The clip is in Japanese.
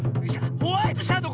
ホワイトシャドー